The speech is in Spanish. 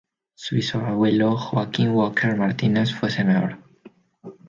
Su bisabuelo Joaquín Walker Martínez fue senador.